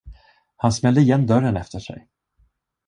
Han smällde igen dörren efter sig.